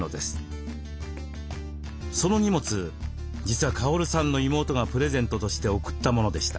その荷物実はカオルさんの妹がプレゼントとして送ったものでした。